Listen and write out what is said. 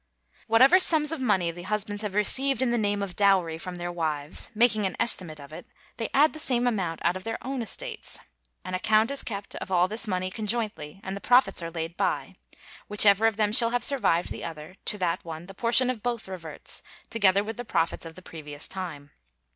Whatever sums of money the husbands have received in the name of dowry from their wives, making an estimate of it, they add the same amount out of their own estates. An account is kept of all this money conjointly, and the profits are laid by; whichever of them shall have survived the other, to that one the portion of both reverts, together with the profits of the previous time.